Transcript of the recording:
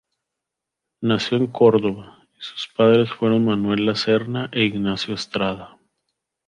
Nació en Córdoba y sus padres fueron Manuel La Serna e Ignacia Astrada.